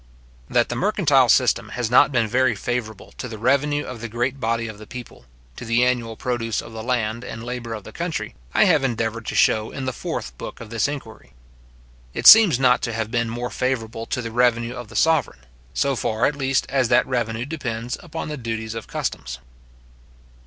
That the mercantile system has not been very favourable to the revenue of the great body of the people, to the annual produce of the land and labour of the country, I have endeavoured to show in the fourth book of this Inquiry. It seems not to have been more favourable to the revenue of the sovereign; so far, at least, as that revenue depends upon the duties of customs.